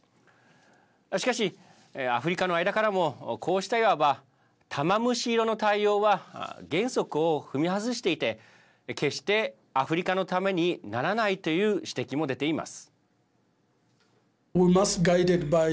しかし、アフリカの間からもこうした、いわば玉虫色の対応は原則を踏み外していて決してアフリカのためにならないという指摘も出ています。